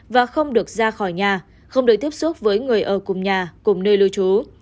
và không được ra khỏi nhà không được tiếp xúc với người ở cùng nhà cùng nơi lưu trú